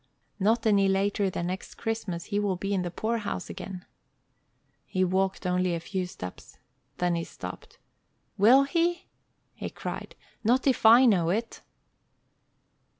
"Not any later than next Christmas he will be in the poorhouse again." He walked only a few steps. Then he stopped. "Will he?" he cried. "Not if I know it."